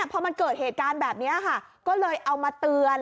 พอมันเกิดเหตุการณ์แบบนี้ค่ะก็เลยเอามาเตือน